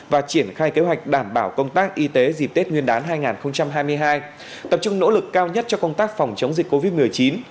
và triển khai kế hoạch đảm bảo công tác y tế dịp tết nguyên đán hai nghìn hai mươi hai tập trung nỗ lực cao nhất cho công tác phòng chống dịch covid một mươi chín